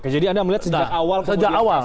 oke jadi anda melihat sejak awal